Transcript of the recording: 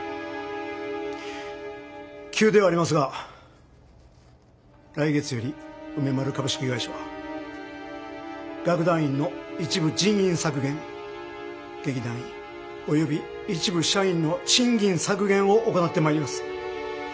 急ではありますが来月より梅丸株式会社は楽団員の一部人員削減劇団員および一部社員の賃金削減を行ってまいります。